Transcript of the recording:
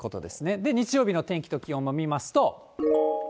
で、日曜日の天気と気温見ますと。